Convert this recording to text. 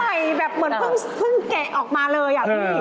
ให้มันใหม่แบบเหมือนเพิ่งแกะออกมาเลย